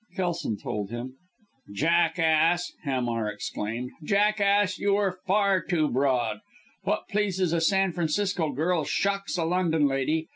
Kelson told him. "Jackass!" Hamar exclaimed. "Jackass! You were far too broad. What pleases a San Francisco girl shocks a London lady.